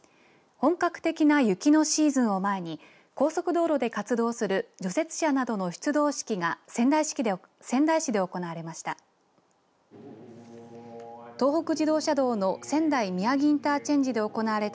本格的な雪のシーズンを前に高速道路で活動する除雪車などの出動式が仙台市で行われました。